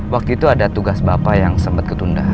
waktu itu ada tugas bapak yang sempat ketunda